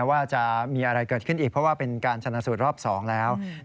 ว่าจะมีอะไรเกิดขึ้นอีกเพราะว่าเป็นการชนะสูตรรอบ๒แล้ว